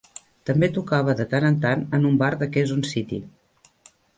També tocava de tant en tant en un bar de Quezon City.